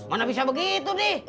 mana bisa begitu nih